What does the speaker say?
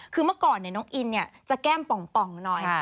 คือเมื่อก่อนน้องอินจะแก้มป่องหน่อย